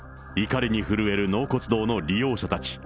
怒りに震える納骨堂の利用者たち。